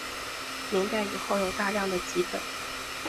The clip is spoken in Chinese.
明代以后有大量的辑本。